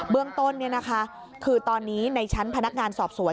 เบื้องต้นนี่นะคะคือตอนนี้ในชั้นพนักงานสอบสวน